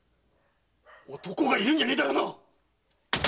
男がいるんじゃねえだろうな⁉開けろ！